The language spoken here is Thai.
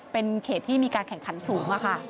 เป็นเขตที่มีการแข่งขันสูง